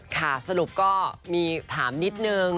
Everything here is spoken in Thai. ค่ะสรุปก็มีถามนิดนึง